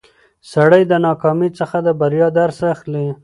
سړی د ناکامۍ څخه د بریا درس اخلي